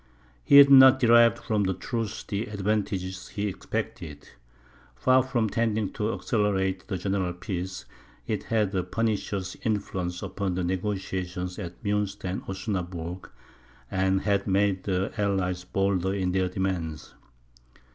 He had not derived from the truce the advantages he expected. Far from tending to accelerate a general peace, it had a pernicious influence upon the negociations at Munster and Osnaburg, and had made the allies bolder in their demands.